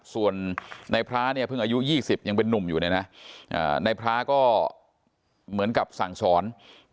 ส่วนในพระเนี่ยเพิ่งอายุ๒๐ยังเป็นนุ่มอยู่เนี่ยนะในพระก็เหมือนกับสั่งสอน